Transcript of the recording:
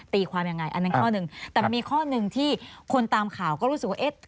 แต่มีข้อหนึ่งที่คนตามข่าก็รู้สึกว่า